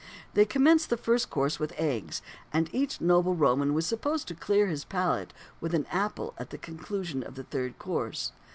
They commenced the first course with eggs, and each noble Roman was supposed to clear his palate with an apple at the conclusion of the third course.